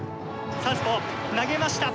サウスポー投げました。